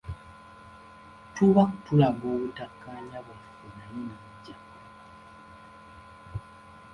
Tuba tulaga obutakkaanya bwaffe naye n’ajja.